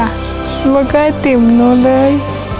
หัวเข้าติ่มุอธุ์หนูเลย